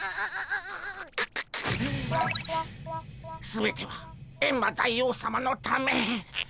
全てはエンマ大王さまのため。